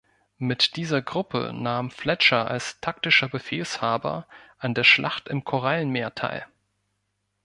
Mit dieser Gruppe nahm Fletcher als taktischer Befehlshaber an der Schlacht im Korallenmeer teil.